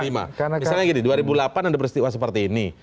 misalnya gini dua ribu delapan ada peristiwa seperti ini